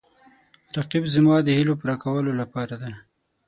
رقیب زما د هیلو د پوره کولو لپاره دی